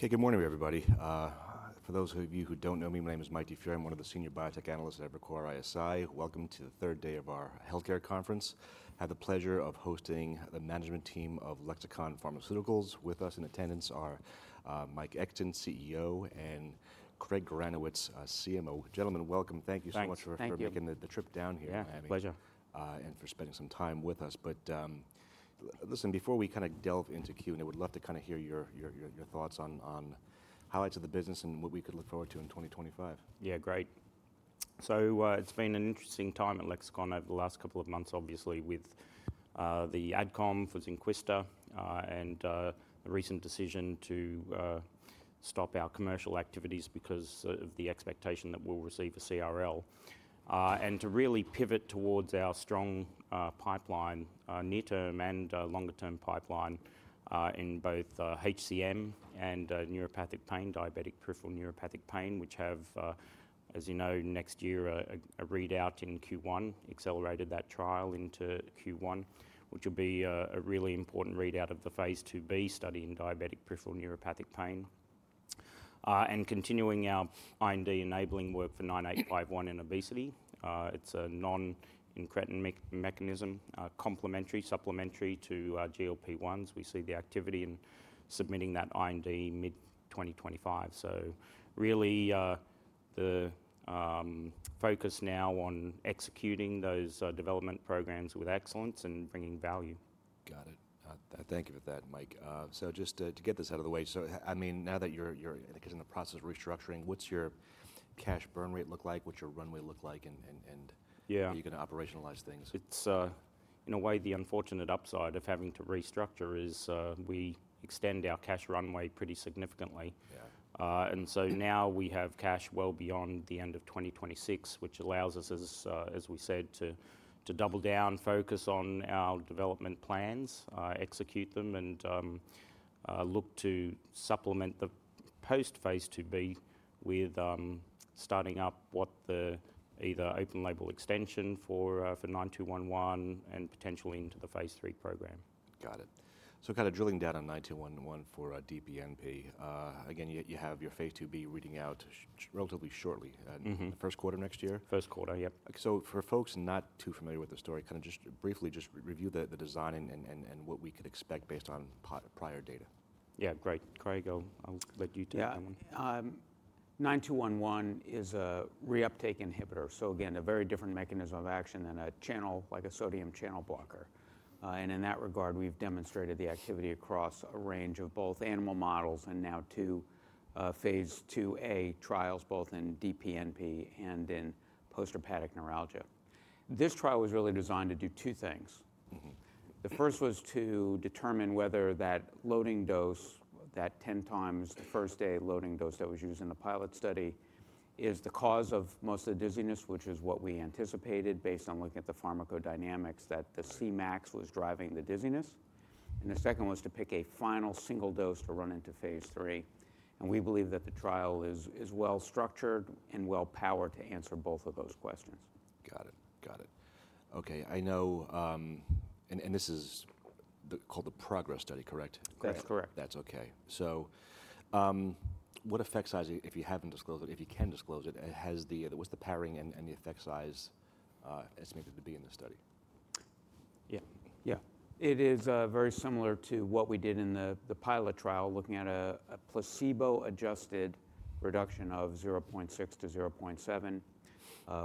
Okay, good morning, everybody. For those of you who don't know me, my name is Mike DiFiore. I'm one of the senior biotech analysts at Evercore ISI. Welcome to the third day of our healthcare conference. I have the pleasure of hosting the management team of Lexicon Pharmaceuticals. With us in attendance are Mike Exton, CEO, and Craig Granowitz, CMO. Gentlemen, welcome. Thank you so much for making the trip down here. Yeah, pleasure. And for spending some time with us. But listen, before we kind of delve into Q&A, I would love to kind of hear your thoughts on highlights of the business and what we could look forward to in 2025. Yeah, great. So it's been an interesting time at Lexicon over the last couple of months, obviously, with the AdCom, for Zynquista, and the recent decision to stop our commercial activities because of the expectation that we'll receive a CRL, and to really pivot towards our strong pipeline, near-term and longer-term pipeline in both HCM and neuropathic pain, diabetic peripheral neuropathic pain, which have, as you know, next year a readout in Q1, accelerated that trial into Q1, which will be a really important readout of the phase II-B study in diabetic peripheral neuropathic pain, and continuing our IND enabling work for 9851 in obesity. It's a non-incretin mechanism, complementary, supplementary to GLP-1s. We see the activity in submitting that IND mid-2025, so really the focus now on executing those development programs with excellence and bringing value. Got it. Thank you for that, Mike. So just to get this out of the way, so I mean, now that you're in the process of restructuring, what's your cash burn rate look like? What's your runway look like? And are you going to operationalize things? It's, in a way, the unfortunate upside of having to restructure is we extend our cash runway pretty significantly, and so now we have cash well beyond the end of 2026, which allows us, as we said, to double down, focus on our development plans, execute them, and look to supplement the post-phase II-B with starting up what the either open label extension for 9211 and potentially into the phase 3 program. Got it. So kind of drilling down on 9211 for DPNP, again, you have your phase II-B reading out relatively shortly, the first quarter of next year? First quarter, yep. So for folks not too familiar with the story, kind of just briefly review the design and what we could expect based on prior data. Yeah, great. Craig, I'll let you take that one. Yeah. 9211 is a reuptake inhibitor. So again, a very different mechanism of action than a channel, like a sodium channel blocker. And in that regard, we've demonstrated the activity across a range of both animal models and now two phase II-A trials, both in DPNP and in postherpetic neuralgia. This trial was really designed to do two things. The first was to determine whether that loading dose, that 10 times the first day loading dose that was used in the pilot study, is the cause of most of the dizziness, which is what we anticipated based on looking at the pharmacodynamics that the Cmax was driving the dizziness. And the second was to pick a final single dose to run into phase III. And we believe that the trial is well-structured and well-powered to answer both of those questions. Got it. Got it. Okay. I know, and this is called the PROGRESS study, correct? That's correct. That's okay. So what effect size, if you haven't disclosed it, if you can disclose it, what's the powering and the effect size estimated to be in the study? Yeah. Yeah. It is very similar to what we did in the pilot trial, looking at a placebo-adjusted reduction of 0.6 to 0.7.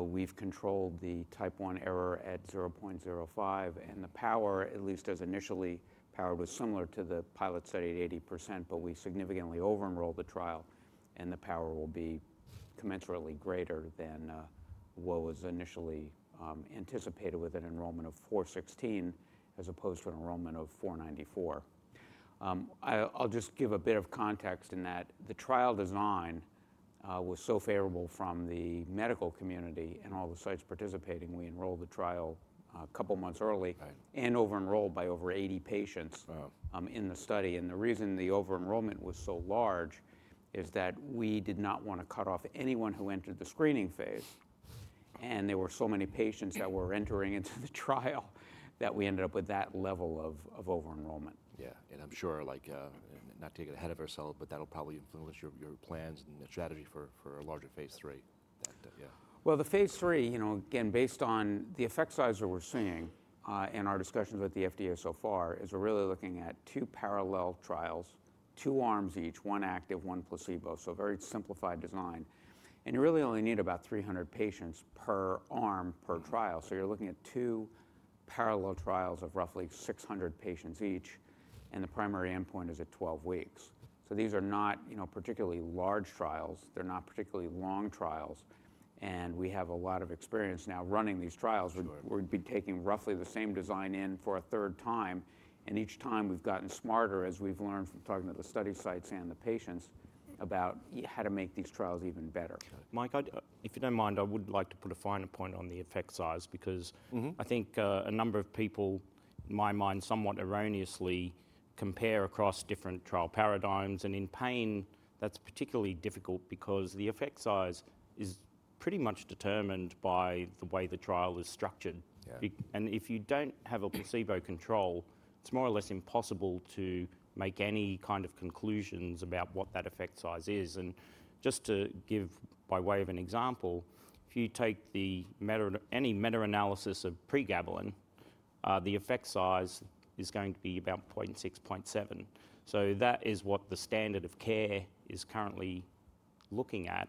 We've controlled the Type 1 error at 0.05, and the power, at least as initially powered, was similar to the pilot study at 80%, but we significantly over-enrolled the trial, and the power will be commensurately greater than what was initially anticipated with an enrollment of 416 as opposed to an enrollment of 494. I'll just give a bit of context in that the trial design was so favorable from the medical community and all the sites participating. We enrolled the trial a couple of months early and over-enrolled by over 80 patients in the study, and the reason the over-enrollment was so large is that we did not want to cut off anyone who entered the screening phase. There were so many patients that were entering into the trial that we ended up with that level of over-enrollment. Yeah. And I'm sure, not taking it ahead of ourselves, but that'll probably influence your plans and the strategy for a larger phase 3. The phase III, you know, again, based on the effect size that we're seeing in our discussions with the FDA so far, is we're really looking at two parallel trials, two arms each, one active, one placebo. Very simplified design. You really only need about 300 patients per arm per trial. You're looking at two parallel trials of roughly 600 patients each. The primary endpoint is at 12 weeks. These are not particularly large trials. They're not particularly long trials. We have a lot of experience now running these trials. We're taking roughly the same design in for a third time. Each time we've gotten smarter as we've learned from talking to the study sites and the patients about how to make these trials even better. Mike, if you don't mind, I would like to put a finer point on the effect size because I think a number of people, in my mind, somewhat erroneously compare across different trial paradigms. And in pain, that's particularly difficult because the effect size is pretty much determined by the way the trial is structured. And if you don't have a placebo control, it's more or less impossible to make any kind of conclusions about what that effect size is. And just to give by way of an example, if you take any meta-analysis of pregabalin, the effect size is going to be about 0.6, 0.7. So that is what the standard of care is currently looking at.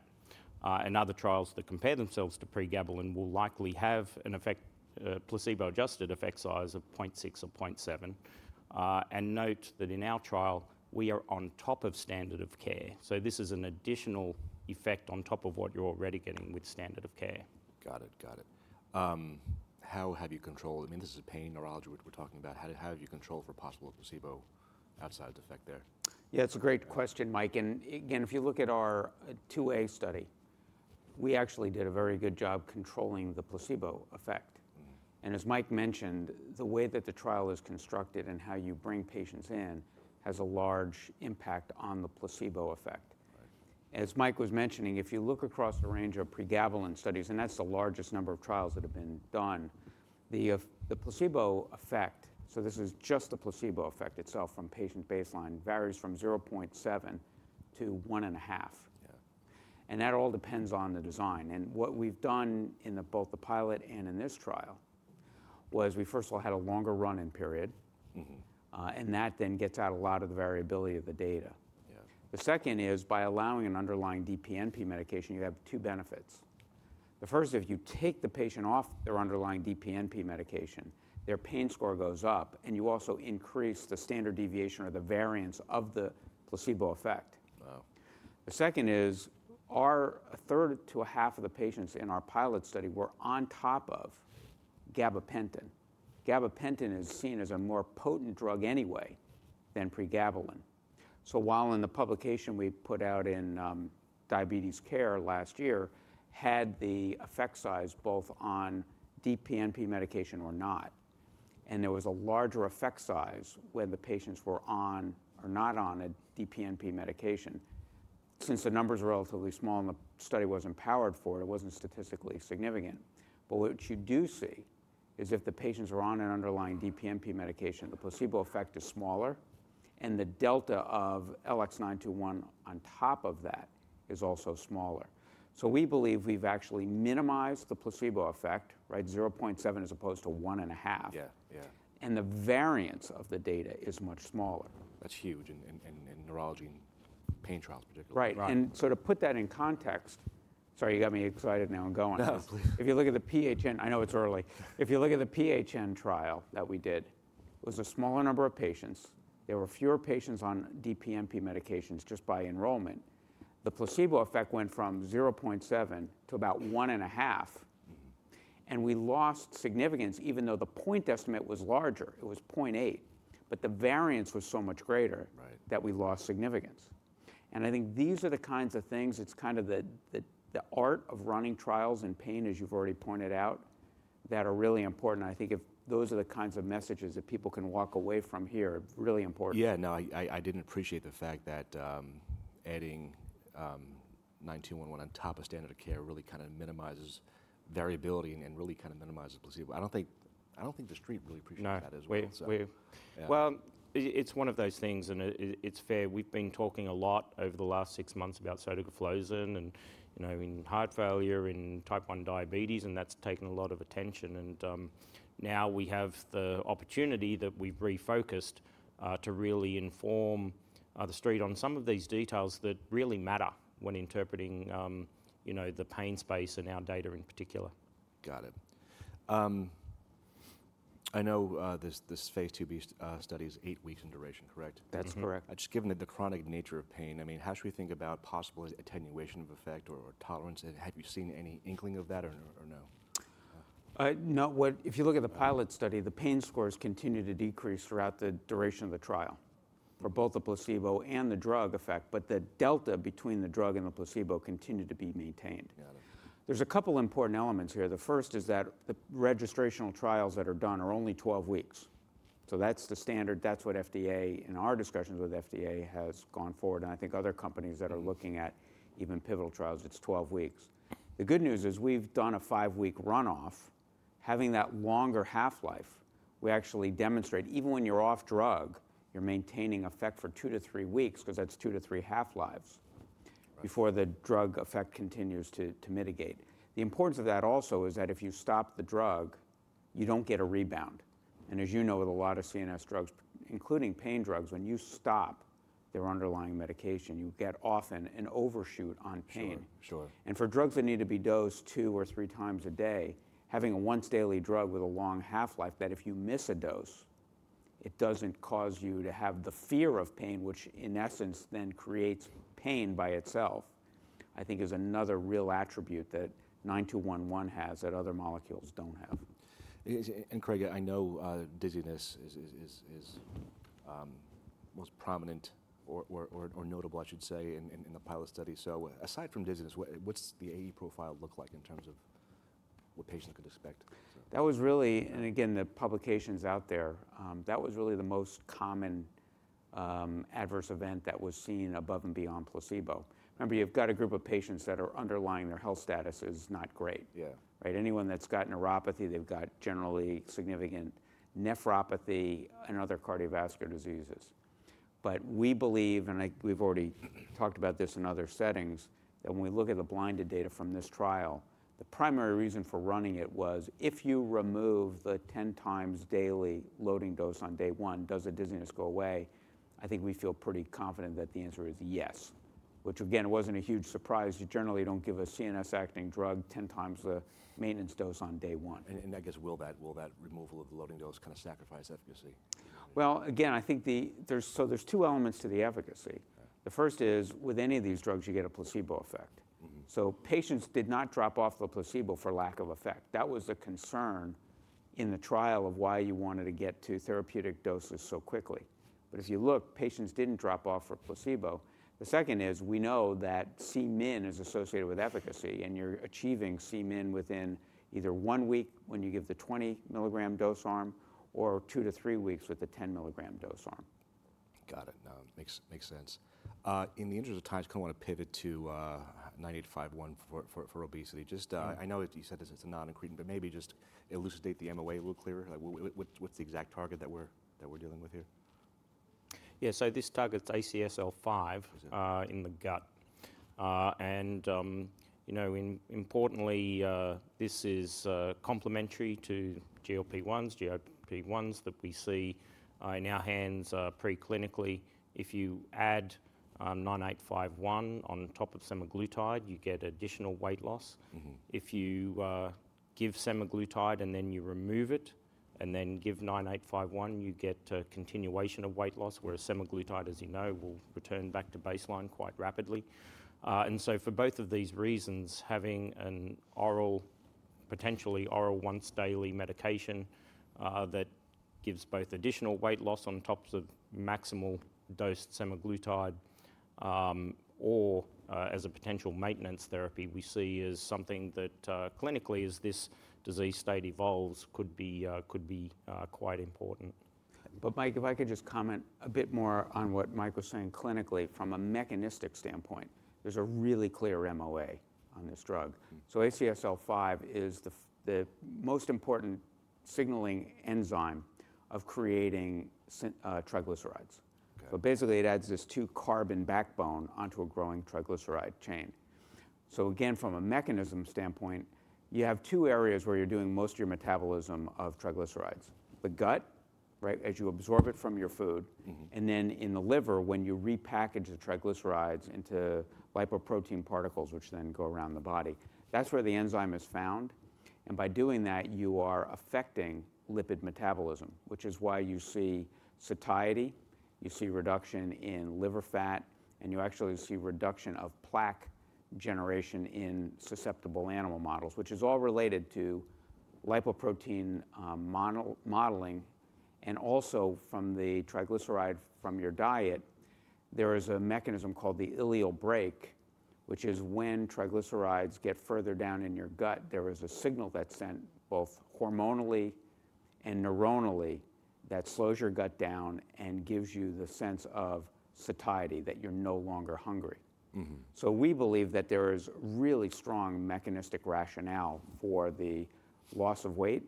And other trials that compare themselves to pregabalin will likely have a placebo-adjusted effect size of 0.6 or 0.7. Note that in our trial, we are on top of standard of care. This is an additional effect on top of what you're already getting with standard of care. Got it. Got it. How have you controlled? I mean, this is pain neuralgia we're talking about. How have you controlled for possible placebo effect there? Yeah, it's a great question, Mike. And again, if you look at our II-A study, we actually did a very good job controlling the placebo effect. And as Mike mentioned, the way that the trial is constructed and how you bring patients in has a large impact on the placebo effect. As Mike was mentioning, if you look across the range of pregabalin studies, and that's the largest number of trials that have been done, the placebo effect, so this is just the placebo effect itself from patient baseline, varies from 0.7 to 1.5. And that all depends on the design. And what we've done in both the pilot and in this trial was we first of all had a longer run-in period. And that then gets out a lot of the variability of the data. The second is by allowing an underlying DPNP medication, you have two benefits. The first, if you take the patient off their underlying DPNP medication, their pain score goes up, and you also increase the standard deviation or the variance of the placebo effect. The second is two-thirds to a half of the patients in our pilot study were on top of gabapentin. Gabapentin is seen as a more potent drug anyway than pregabalin. So, while in the publication we put out in Diabetes Care last year had the effect size both on DPNP medication or not, and there was a larger effect size when the patients were on or not on a DPNP medication. Since the numbers are relatively small and the study wasn't powered for it, it wasn't statistically significant. But what you do see is if the patients are on an underlying DPNP medication, the placebo effect is smaller, and the Delta of LX9211 on top of that is also smaller. So we believe we've actually minimized the placebo effect, right? 0.7 as opposed to 1.5. And the variance of the data is much smaller. That's huge in neurology and pain trials particularly. Right. And so to put that in context, sorry, you got me excited now and going. No, please. If you look at the PHN, I know it's early. If you look at the PHN trial that we did, it was a smaller number of patients. There were fewer patients on DPNP medications just by enrollment. The placebo effect went from 0.7 to about 1.5. And we lost significance even though the point estimate was larger. It was 0.8. But the variance was so much greater that we lost significance. And I think these are the kinds of things, it's kind of the art of running trials in pain, as you've already pointed out, that are really important. I think if those are the kinds of messages that people can walk away from here, really important. Yeah, no, I didn't appreciate the fact that adding 9211 on top of standard of care really kind of minimizes variability and really kind of minimizes placebo. I don't think the street really appreciated that as well. It's one of those things, and it's fair. We've been talking a lot over the last six months about sotagliflozin and in heart failure, in type 1 diabetes, and that's taken a lot of attention. Now we have the opportunity that we've refocused to really inform the street on some of these details that really matter when interpreting the pain space and our data in particular. Got it. I know this phase II-B study is eight weeks in duration, correct? That's correct. Just given the chronic nature of pain, I mean, how should we think about possible attenuation of effect or tolerance? And have you seen any inkling of that or no? If you look at the pilot study, the pain scores continue to decrease throughout the duration of the trial for both the placebo and the drug effect, but the delta between the drug and the placebo continued to be maintained. There's a couple of important elements here. The first is that the registrational trials that are done are only 12 weeks. So that's the standard. That's what FDA and our discussions with FDA have gone forward. And I think other companies that are looking at even pivotal trials, it's 12 weeks. The good news is we've done a five-week runoff. Having that longer half-life, we actually demonstrate even when you're off drug, you're maintaining effect for two to three weeks because that's two to three half-lives before the drug effect continues to mitigate. The importance of that also is that if you stop the drug, you don't get a rebound. As you know, with a lot of CNS drugs, including pain drugs, when you stop their underlying medication, you get often an overshoot on pain. For drugs that need to be dosed two or three times a day, having a once-daily drug with a long half-life that if you miss a dose, it doesn't cause you to have the fear of pain, which in essence then creates pain by itself, I think is another real attribute that 9211 has that other molecules don't have. And Craig, I know dizziness is most prominent or notable, I should say, in the pilot study. So aside from dizziness, what's the AE profile look like in terms of what patients could expect? That was really, and again, the publications out there, that was really the most common adverse event that was seen above and beyond placebo. Remember, you've got a group of patients that are underlying their health status is not great. Anyone that's got neuropathy, they've got generally significant nephropathy and other cardiovascular diseases. But we believe, and we've already talked about this in other settings, that when we look at the blinded data from this trial, the primary reason for running it was if you remove the 10 times daily loading dose on day one, does the dizziness go away? I think we feel pretty confident that the answer is yes, which again, wasn't a huge surprise. You generally don't give a CNS-acting drug 10 times the maintenance dose on day one. I guess, will that removal of the loading dose kind of sacrifice efficacy? Again, I think so there's two elements to the efficacy. The first is with any of these drugs, you get a placebo effect. So patients did not drop off the placebo for lack of effect. That was the concern in the trial of why you wanted to get to therapeutic doses so quickly. But if you look, patients didn't drop off for placebo. The second is we know that Cmin is associated with efficacy, and you're achieving Cmin within either one week when you give the 20 mg dose arm or two to three weeks with the 10 mg dose arm. Got it. Makes sense. In the interest of time, I kind of want to pivot to 9851 for obesity. I know that you said this is a non-incretin, but maybe just elucidate the MOA a little clearer. What's the exact target that we're dealing with here? Yeah, so this targets ACSL5 in the gut. And importantly, this is complementary to GLP-1s. GLP-1s that we see in our hands preclinically, if you add 9851 on top of semaglutide, you get additional weight loss. If you give semaglutide and then you remove it and then give 9851, you get a continuation of weight loss where semaglutide, as you know, will return back to baseline quite rapidly. And so for both of these reasons, having a potentially oral once-daily medication that gives both additional weight loss on top of the maximal dose semaglutide or as a potential maintenance therapy we see as something that clinically, as this disease state evolves, could be quite important. But Mike, if I could just comment a bit more on what Mike was saying clinically, from a mechanistic standpoint, there's a really clear MOA on this drug. So ACSL5 is the most important signaling enzyme of creating triglycerides. So basically, it adds this two-carbon backbone onto a growing triglyceride chain. So again, from a mechanism standpoint, you have two areas where you're doing most of your metabolism of triglycerides. The gut, right, as you absorb it from your food, and then in the liver, when you repackage the triglycerides into lipoprotein particles, which then go around the body, that's where the enzyme is found. And by doing that, you are affecting lipid metabolism, which is why you see satiety, you see reduction in liver fat, and you actually see reduction of plaque generation in susceptible animal models, which is all related to lipoprotein modeling. And also from the triglyceride from your diet, there is a mechanism called the ileal brake, which is when triglycerides get further down in your gut, there is a signal that's sent both hormonally and neuronally that slows your gut down and gives you the sense of satiety, that you're no longer hungry. So we believe that there is really strong mechanistic rationale for the loss of weight,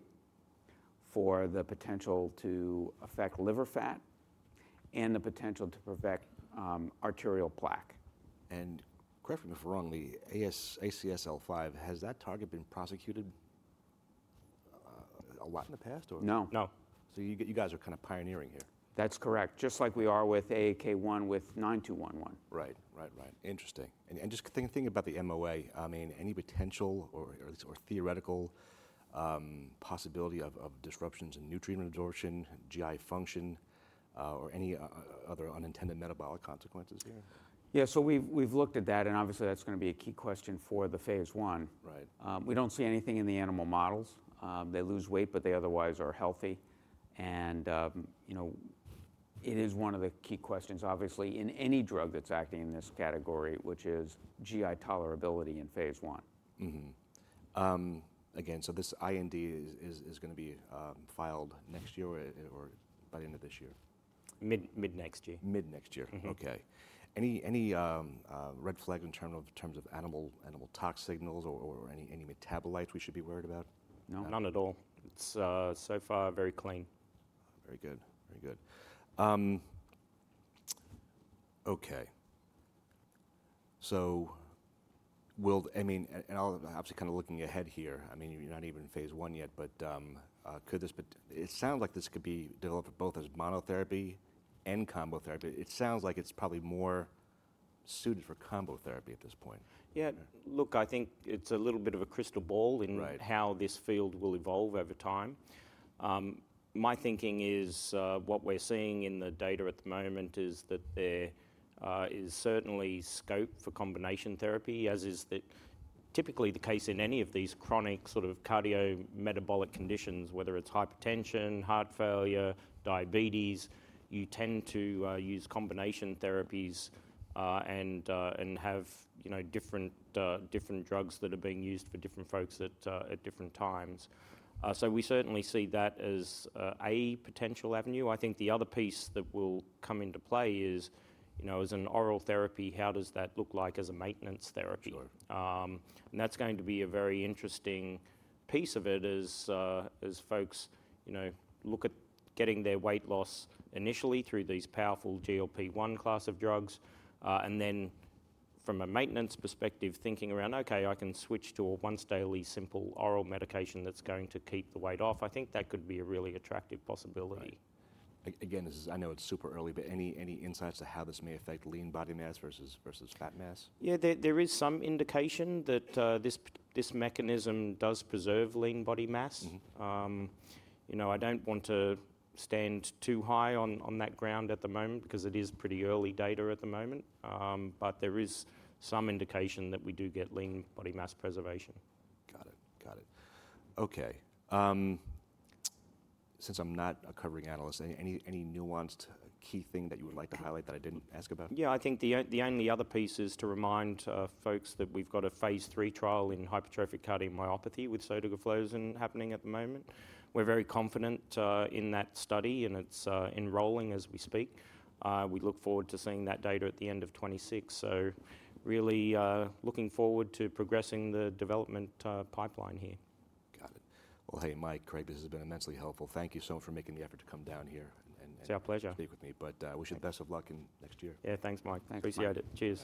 for the potential to affect liver fat, and the potential to prevent arterial plaque. Correct me if I'm wrong, the ACSL5, has that target been prosecuted a lot in the past? No. No. So you guys are kind of pioneering here. That's correct. Just like we are with AAK1 with 9211. Right. Interesting. And just thinking about the MOA, I mean, any potential or theoretical possibility of disruptions in nutrient absorption, GI function, or any other unintended metabolic consequences here? Yeah, so we've looked at that, and obviously, that's going to be a key question for the phase one. We don't see anything in the animal models. They lose weight, but they otherwise are healthy, and it is one of the key questions, obviously, in any drug that's acting in this category, which is GI tolerability in phase one. Again, so this IND is going to be filed next year or by the end of this year? Mid next year. Mid next year. Okay. Any red flag in terms of animal tox signals or any metabolites we should be worried about? No, none at all. It's so far very clean. Very good. Very good. Okay. So I mean, and I'll obviously kind of looking ahead here. I mean, you're not even in phase one yet, but could this be? It sounds like this could be developed both as monotherapy and combo therapy. It sounds like it's probably more suited for combo therapy at this point. Yeah. Look, I think it's a little bit of a crystal ball in how this field will evolve over time. My thinking is what we're seeing in the data at the moment is that there is certainly scope for combination therapy, as is typically the case in any of these chronic sort of cardiometabolic conditions, whether it's hypertension, heart failure, diabetes, you tend to use combination therapies and have different drugs that are being used for different folks at different times. So we certainly see that as a potential avenue. I think the other piece that will come into play is, as an oral therapy, how does that look like as a maintenance therapy? And that's going to be a very interesting piece of it as folks look at getting their weight loss initially through these powerful GLP-1 class of drugs. Then from a maintenance perspective, thinking around, okay, I can switch to a once-daily simple oral medication that's going to keep the weight off. I think that could be a really attractive possibility. Again, I know it's super early, but any insights to how this may affect lean body mass versus fat mass? Yeah, there is some indication that this mechanism does preserve lean body mass. I don't want to stand too high on that ground at the moment because it is pretty early data at the moment. But there is some indication that we do get lean body mass preservation. Got it. Got it. Okay. Since I'm not a covering analyst, any nuanced key thing that you would like to highlight that I didn't ask about? Yeah, I think the only other piece is to remind folks that we've got a phase three trial in hypertrophic cardiomyopathy with sotagliflozin happening at the moment. We're very confident in that study, and it's enrolling as we speak. We look forward to seeing that data at the end of 2026, so really looking forward to progressing the development pipeline here. Got it. Well, hey, Mike, Craig, this has been immensely helpful. Thank you so much for making the effort to come down here and. It's our pleasure. Speak with me. But wish you the best of luck in next year. Yeah, thanks, Mike. Appreciate it. Cheers.